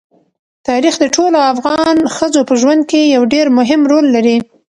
تاریخ د ټولو افغان ښځو په ژوند کې یو ډېر مهم رول لري.